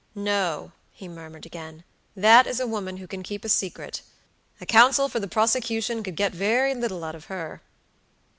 "No," he murmured, again; "that is a woman who can keep a secret. A counsel for the prosecution could get very little out of her."